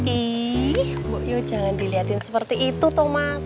ih bu yu jangan dilihatin seperti itu thomas